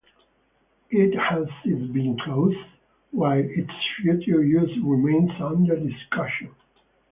It has since been closed while its future use remains under discussion.